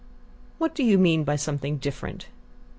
"What do you mean by 'something different'?"